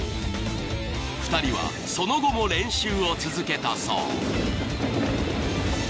［２人はその後も練習を続けたそう］